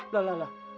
lah lah lah